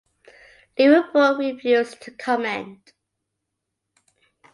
Liverpool refused to comment.